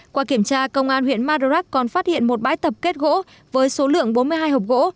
qua kiểm tra công an huyện madurak còn phát hiện một bãi tập kết gỗ với số lượng bốn mươi hai hộp gỗ